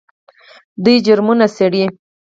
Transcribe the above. دوی جرمونه څیړي.